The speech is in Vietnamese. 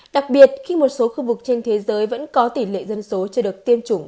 đặc biệt khi một số khu vực trên thế giới vẫn có tỷ lệ dân số chưa được tiêm chủng